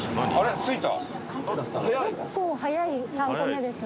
結構早い３個目ですね。